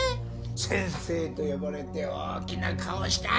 先生と呼ばれて大きな顔したい！